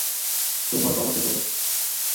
তোমার বাবাকে বলো!